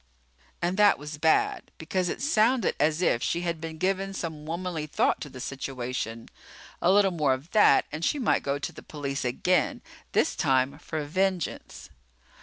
And that was bad because it sounded as if she had been giving some womanly thought to the situation. A little more of that and she might go to the police again, this time for vengeance.